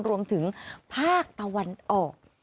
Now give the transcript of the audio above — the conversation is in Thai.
รวมถึงภาคตะวันออก